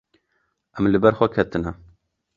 Em li ber xwe ketine.